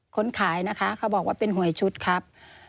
คนขายนะคะเขาบอกว่าเป็นหวยชุดครับ